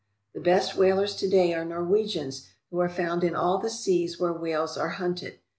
The best whalers to day are Nor wegians who are found in all the seas where whales are hunted.